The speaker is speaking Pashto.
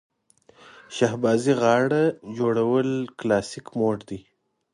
شهبازي غاړه جوړول کلاسیک موډ دی.